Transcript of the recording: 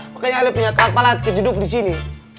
makanya ali punya kakak malah kejeduk di sini